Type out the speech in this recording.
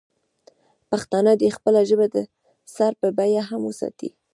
پښتانه دې خپله ژبه د سر په بیه هم وساتي.